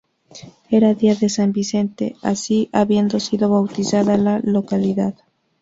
Era día de San Vicente, así habiendo sido bautizada la localidad.